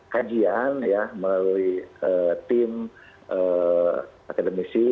kajian melalui tim akademisi